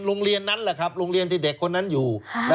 โรงเรียนนั้นแหละครับโรงเรียนที่เด็กคนนั้นอยู่